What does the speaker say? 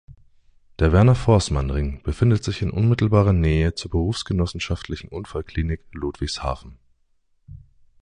Der Werner-Forßmann-Ring befindet sich in unmittelbarer Nähe zur Berufsgenossenschaftlichen Unfallklinik Ludwigshafen.